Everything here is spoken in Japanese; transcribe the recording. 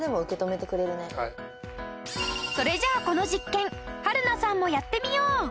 それじゃあこの実験春菜さんもやってみよう！